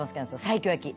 西京焼き。